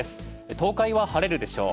東海は晴れるでしょう。